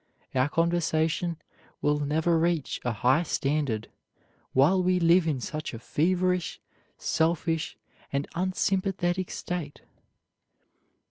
Our conversation will never reach a high standard while we live in such a feverish, selfish, and unsympathetic state.